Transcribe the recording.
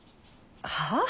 はあ？